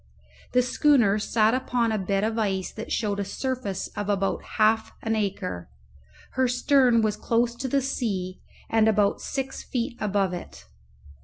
The schooner sat upon a bed of ice that showed a surface of about half an acre; her stern was close to the sea, and about six feet above it.